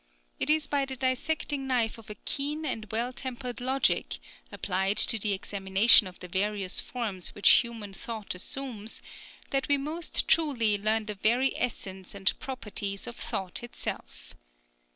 It is by the dissecting knife of a keen and well tempered logic, applied to the examination of the various forms which human thought assumes, that we most truly learn the very essence and properties of thought itself.